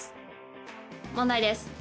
問題です。